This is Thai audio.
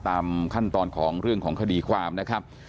ตามขั้นตอนของเรื่องของคดีความนะครับ